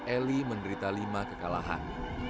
eli menderita lima kekalahan